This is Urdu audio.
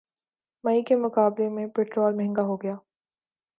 مئی کے مقابلے میں پٹرول مہنگا ہوگیا